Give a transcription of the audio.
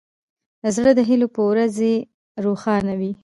زړه د هیلو په ورځې روښانه وي.